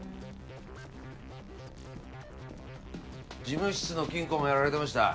事務室の金庫もやられてました。